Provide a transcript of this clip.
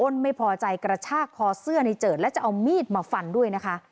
ไม่พอใจกระชากคอเสื้อในเจิดและจะเอามีดมาฟันด้วยนะคะ